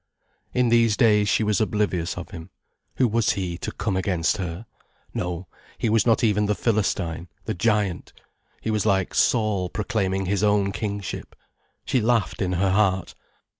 In these days she was oblivious of him. Who was he, to come against her? No, he was not even the Philistine, the Giant. He was like Saul proclaiming his own kingship. She laughed in her heart.